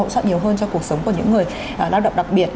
hỗ trợ nhiều hơn cho cuộc sống của những người lao động đặc biệt